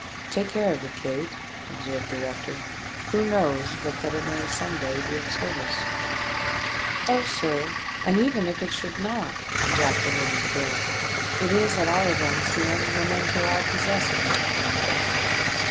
"Take care of it, Kate," observed the rector; "who knows but that it may some day be of service?" "Oh! sir, and even if it should not," ejaculated the girl, "it is at all events the only memento I possess of my poor mother."